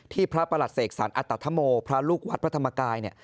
ที่พระประหลัดเสกศาลอัตตาธโมพระลูกวัดพระธรรมกาย